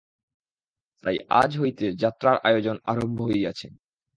তাই আজ হইতে যাত্রার আয়োজন আরম্ভ হইয়াছে।